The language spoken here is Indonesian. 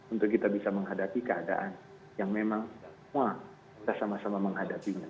untuk kita bisa menghadapi keadaan yang memang kita sama sama menghadapinya